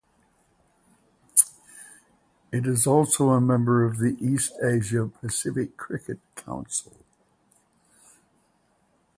It is also a member of the East Asia-Pacific Cricket Council.